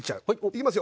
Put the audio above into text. いきます